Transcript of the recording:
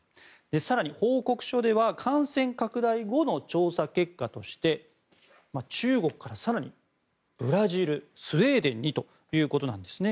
更に報告書では感染拡大後の調査結果として中国から更にブラジル、スウェーデンにということなんですね。